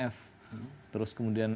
dua puluh delapan f terus kemudian